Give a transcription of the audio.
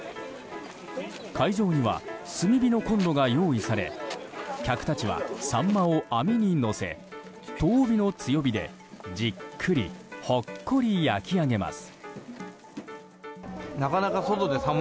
会場には炭火のコンロが用意され客たちはサンマを網に乗せ遠火の強火でじっくりほっこり焼き上げます。